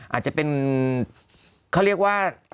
อาจจะเป็นเขาเรียกว่า